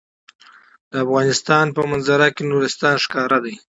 د افغانستان په منظره کې نورستان ښکاره ده.